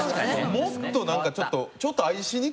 もっとなんかちょっと。